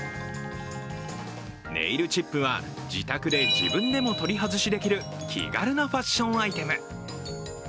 ネイルチップは自宅で自分でも取り外しできる気軽なファッションアイテム。